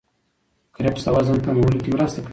کرفس د وزن کمولو کې مرسته کوي.